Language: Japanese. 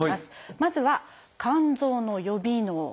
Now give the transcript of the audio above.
まずは肝臓の予備能。